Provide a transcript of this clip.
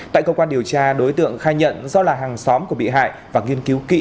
tại cơ quan điều tra đối tượng khai nhận do là hàng xóm của bị hại và nghiên cứu kỹ